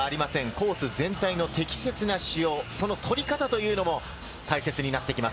コース全体の適切な使用、その取り方というのも大切になってきます。